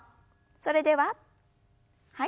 それでははい。